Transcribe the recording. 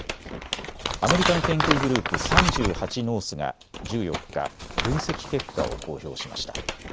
アメリカの研究グループ、３８ノースが１４日、分析結果を公表しました。